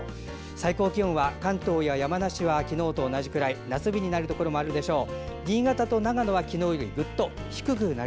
最高気温は、関東や山梨は昨日と同じくらい夏日になるところもあるでしょう。